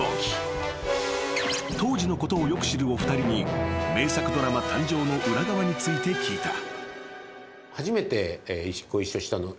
［当時のことをよく知るお二人に名作ドラマ誕生の裏側について聞いた］